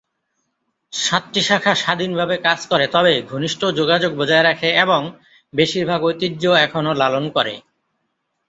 সাতটি শাখা স্বাধীনভাবে কাজ করে তবে ঘনিষ্ঠ যোগাযোগ বজায় রাখে এবং বেশিরভাগ ঐতিহ্য এখনো লালন করে।